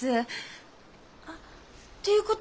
あっていうことは。